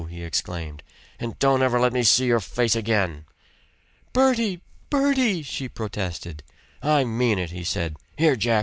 he exclaimed. "And don't ever let me see your face again!" "Bertie! Bertie!" she protested. "I mean it!" he said. "Here Jack!